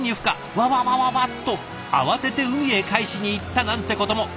わわわわわっ！と慌てて海へ返しにいったなんてことも。